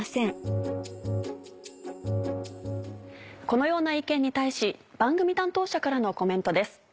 このような意見に対し番組担当者からのコメントです。